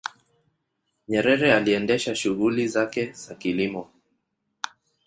nyerere aliendesha shughuli zake za kilimo